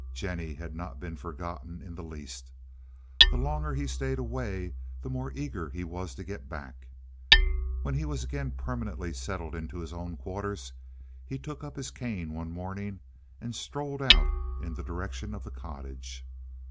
Jennie had not been forgotten in the least. The longer he stayed away the more eager he was to get back. When he was again permanently settled in his old quarters he took up his cane one morning and strolled out in the direction of the cottage.